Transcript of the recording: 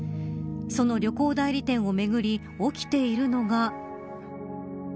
その旅行代理店をめぐり起きているのが。